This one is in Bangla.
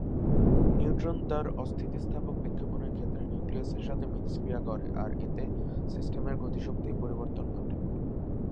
নিউট্রন তার অস্থিতিস্থাপক বিক্ষেপণের ক্ষেত্রে নিউক্লিয়াসের সাথে মিথস্ক্রিয়া করে আর এতে সিস্টেমের গতিশক্তির পরিবর্তন ঘটে।